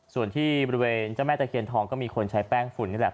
ส่วนที่บริเวณเจ้าแม่ตะเคียนทองก็มีคนใช้แป้งฝุ่นนี่แหละ